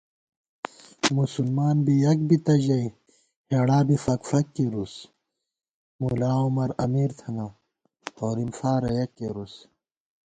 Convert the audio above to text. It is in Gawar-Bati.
مسلمان بی یَک بِتہ ژَئی ہېڑا بی فَک فَک کېرُوس * ملا عمر امیر تھنہ ہورِم فارہ یک کېرُوس